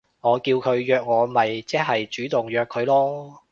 我叫佢約我咪即係主動約佢囉